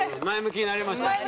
前向きになりました。